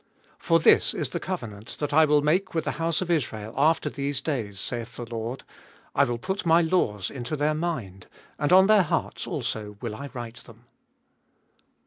For this is the covenant that I will make with the house of Israel after these days, saith the Lord; I will put my laws Into their mind, And on their hearts also will I write them.